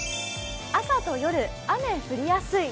朝と夜、雨、降りやすい。